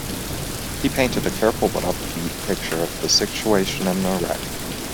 He painted a careful but upbeat picture of the situation in Iraq.